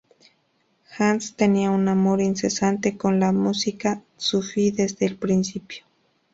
Hans tenía un amor incesante por la música sufí desde el principio.